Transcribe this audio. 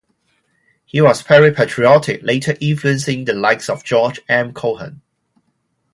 He was very patriotic, later influencing the likes of George M. Cohan.